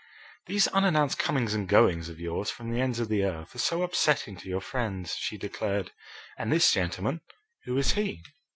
"These unannounced comings and goings of yours from the ends of the earth are so upsetting to your friends," she declared. "And this gentleman? Who is he?"